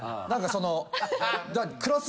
何かその。